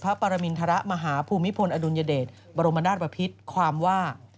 พระปรมิณฑระมหาภูมิพลอดุลยเดชบรมนาตรปภิษฐ์ความว่า